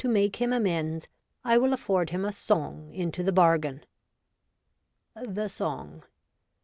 make him amends, I will afford him a song into the bargain :—' The Song.